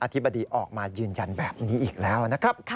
ธิบดีออกมายืนยันแบบนี้อีกแล้วนะครับ